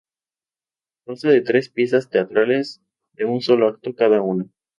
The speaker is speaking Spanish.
Consta de tres piezas teatrales de un solo acto cada una.